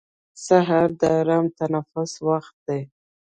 سهار د ارام تنفس وخت دی.